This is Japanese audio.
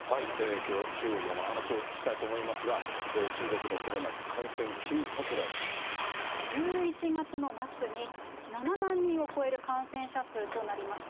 きょうは中国のお話をお聞きしたいと思いますが、中国のコロ１１月の末に、７万人を超える感染者数となりました。